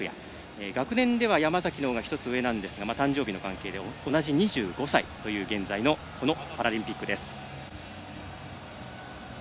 学年では山崎のほうが１つ上ですが誕生日の関係で同じ２５歳の現在のパラリンピックです。